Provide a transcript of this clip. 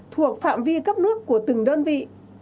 thuộc phạm vi cấp nước của từng đơn vị